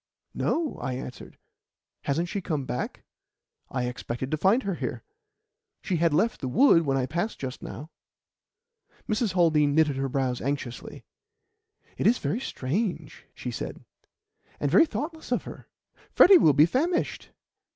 "No," I answered. "Hasn't she come back? I expected to find her here. She had left the wood when I passed just now." Mrs. Haldean knitted her brows anxiously. "It is very strange," she said, "and very thoughtless of her. Freddy will be famished."